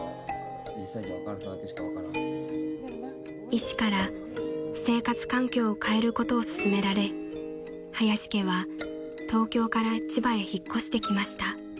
［医師から生活環境を変えることを勧められ林家は東京から千葉へ引っ越してきました］